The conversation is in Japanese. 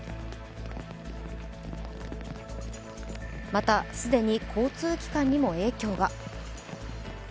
また、既に交通機関にも影響が。